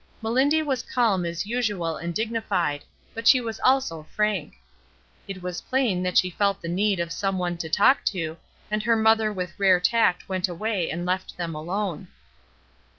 Melindy was calm, as usual, and dignified. But she was also frank. It was plain that she felt the need of some one to talk to, and her mother with rare tact went away and left them alone.